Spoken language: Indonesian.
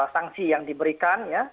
sanksi yang diberikan